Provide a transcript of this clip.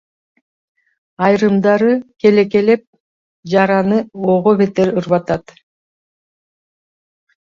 Айрымдары келекелеп, жараны ого бетер ырбатат.